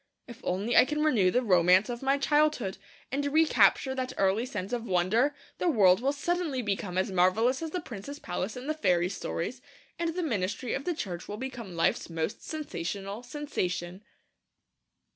If only I can renew the romance of my childhood, and recapture that early sense of wonder, the world will suddenly become as marvellous as the prince's palace in the fairy stories, and the ministry of the Church will become life's most sensational sensation.